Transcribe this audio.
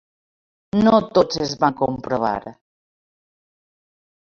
No tots es van comprovar.